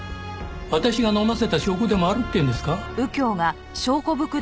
私が飲ませた証拠でもあるっていうんですか？